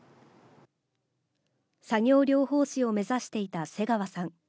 作業療法士を目指していた瀬川さん。